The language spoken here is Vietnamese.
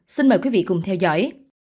xin mời quý vị cùng theo dõi